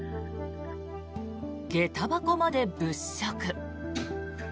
下駄箱まで物色。